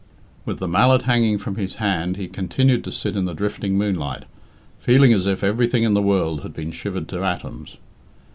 With the mallet hanging from his hand he continued to sit in the drifting moonlight, feeling as if everything in the world had been shivered to atoms.